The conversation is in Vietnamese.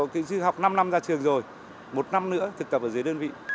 kỹ sư học năm năm ra trường rồi một năm nữa thực tập ở dưới đơn vị